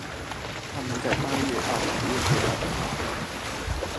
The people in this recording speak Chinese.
他们在八月到十月间来到上海。